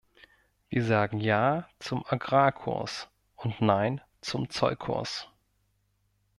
Wir sagen ja zum Agrarkurs und nein zum Zollkurs.